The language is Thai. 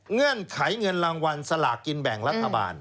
เงื่อนไขเงินรางวัลสลากกินแบ่งรัฐบาล